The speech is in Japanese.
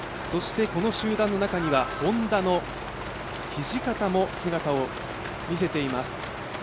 そしてこの集団の中にはＨｏｎｄａの土方も姿を見せています。